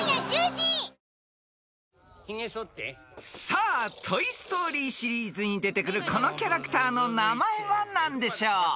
［さあ『トイ・ストーリー』シリーズに出てくるこのキャラクターの名前は何でしょう］